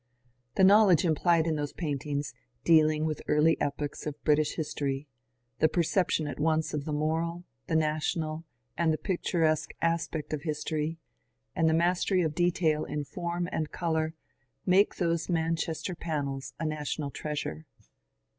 The knowledge implied in those paintings, dealing with early epochs of Brit ish history, the perception at once of the moral, the national, and the picturesque aspect of history, and the mastery of detail in form and colour, make those Manchester panels a national treasure.